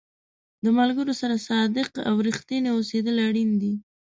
د ملګرو سره صادق او رښتینی اوسېدل اړین دي.